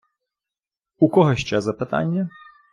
У кого ще запитання?